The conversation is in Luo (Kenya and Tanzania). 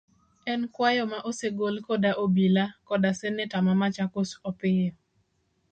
En kwayo ma osegol koda obila koda seneta ma Machakos Opiyo.